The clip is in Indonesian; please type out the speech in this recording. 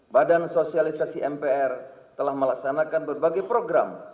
badan sosialisasi mpr telah melaksanakan berbagai program